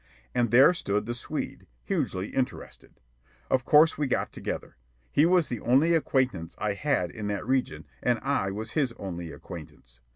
And there stood the Swede, hugely interested. Of course we got together. He was the only acquaintance I had in that region, and I was his only acquaintance.